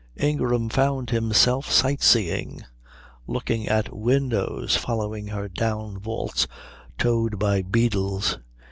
Ingram found himself sight seeing; looking at windows; following her down vaults; towed by beadles.